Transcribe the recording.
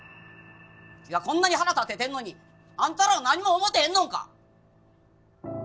うちがこんなに腹立ててんのにあんたらは何も思うてへんのんか。